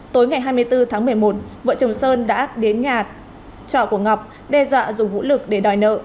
tối ngày hai mươi bốn tháng một mươi một vợ chồng sơn đã đến nhà trọ của ngọc đe dọa dùng vũ lực để đòi nợ